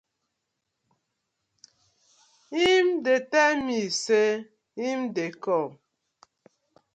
Him dey tey mi say im dey kom.